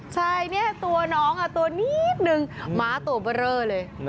ใช่เนี่ยตัวน้องตัวนิดนึงม้าตัวเบอร์เรอเลย